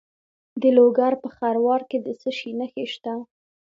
د لوګر په خروار کې د څه شي نښې دي؟